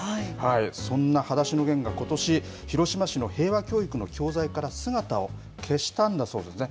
そんなはだしのゲンがことし、広島市の平和教育の教材から姿を消したんだそうですね。